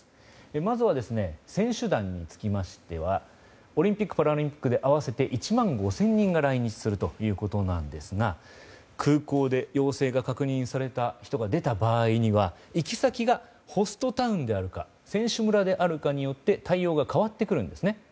まずは選手団につきましてはオリンピック・パラリンピックで合わせて１万５０００人が来日するということなんですが空港で陽性が確認された人が出た場合には行き先がホストタウンであるか選手村であるかによって対応が変わってくるんですね。